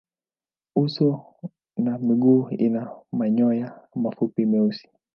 Uso na miguu ina manyoya mafupi meusi.